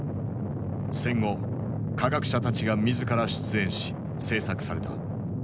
戦後科学者たちが自ら出演し製作された。